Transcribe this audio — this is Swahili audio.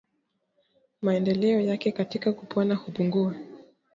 Maendeleo yake katika kupona hupungua